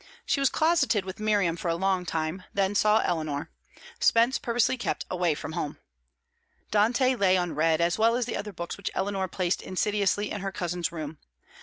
She was closeted with Miriam for a long time, then saw Eleanor. Spence purposely kept away from home. Dante lay unread, as well as the other books which Eleanor placed insidiously in her cousin's room.